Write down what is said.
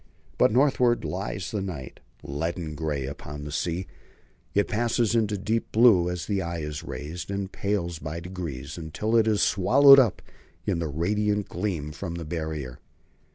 But northward lies the night. Leaden grey upon the sea, it passes into deep blue as the eye is raised, and pales by degrees until it is swallowed up in the radiant gleam from the Barrier.